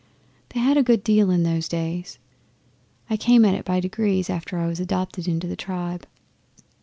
They had a good deal in those days. I came at it by degrees, after I was adopted into the tribe.